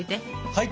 はい。